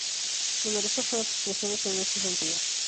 Numerosas son las expresiones en este sentido.